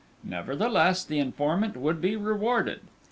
Nevertheless, the informant would be rewarded.